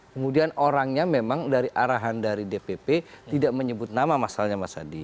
kemudian orangnya memang dari arahan dari dpp tidak menyebut nama masalahnya mas hadi